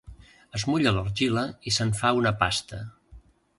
Es mulla l'argila i se'n fa una pasta.